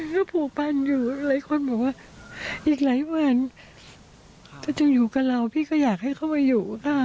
ก็ผูกพันอยู่หลายคนบอกว่าอีกหลายวันก็จะอยู่กับเราพี่ก็อยากให้เขามาอยู่